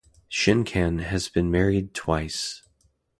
Schenkkan has been married twice.